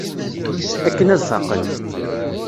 Akken ad faqen.